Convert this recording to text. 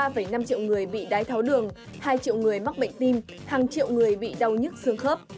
ba năm triệu người bị đái tháo đường hai triệu người mắc bệnh tim hàng triệu người bị đau nhức xương khớp